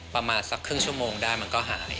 ประมาณสักครึ่งชั่วโมงได้มันก็หาย